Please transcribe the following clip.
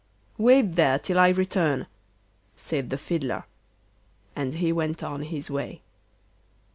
'Wait there till I return,' said the Fiddler, and he went on his way.